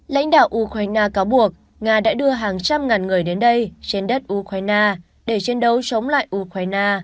lãnh đạo ukraine cáo buộc nga đã đưa hàng trăm ngàn người đến đây trên đất ukraine để chiến đấu chống lại ukraine